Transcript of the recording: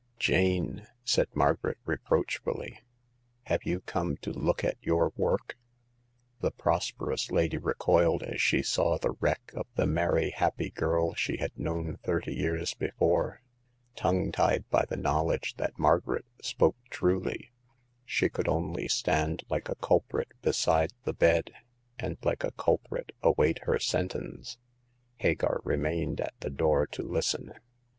Jane," said Margaret, reproachfully, " have you come to look at your work ?'' The prosperous lady recoiled as she saw the wreck of the merry, happy girl she had known thirty years before. Tongue tied by the knowl edge that Margaret spoke truly, she could only stand like a culprit beside the bed, and like a culprit await her sentence. Hagar remained at the door to listen.